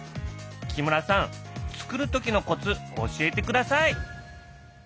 木村さん作る時のコツ教えてください！